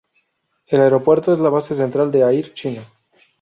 El aeropuerto es la base central de Air China.